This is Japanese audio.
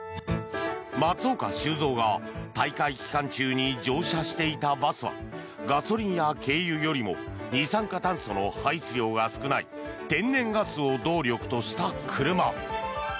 松岡修造が大会期間中に乗車していたバスはガソリンや軽油よりも二酸化炭素の排出量が少ない天然ガスを動力とした車。